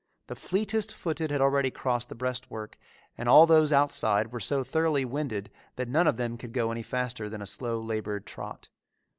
The fleetest footed had already crossed the breastwork and all those outside were so thoroughly winded that none of them could go any faster than a slow, labored trot.